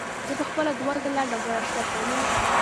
زه په خپله دوه ځله ډاکټر اشرف غني.